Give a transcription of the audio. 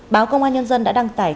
báo công an nhân dân đã đăng tải